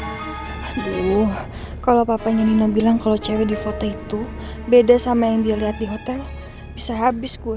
aduh kalau papanya nina bilang kalau cewek di foto itu beda sama yang dilihat di hotel bisa habis ku